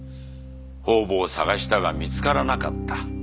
方々捜したが見つからなかった。